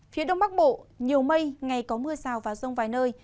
phía đông bắc bộ nhiều mây ngày có mưa rào và rông vài nơi